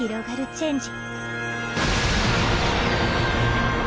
チェンジ